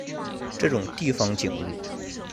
这种地方景物